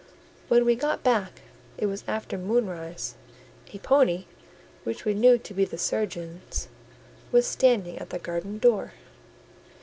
When we got back, it was after moonrise: a pony, which we knew to be the surgeon's, was standing at the garden door.